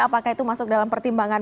apakah itu masuk dalam pertimbangan